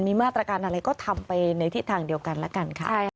มีมาตรการอะไรก็ทำไปในทิศทางเดียวกันแล้วกันค่ะ